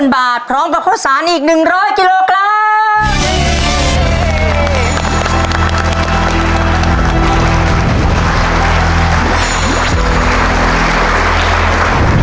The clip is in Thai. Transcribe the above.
บาทพร้อมกับข้าวสารอีก๑๐๐กิโลกรัม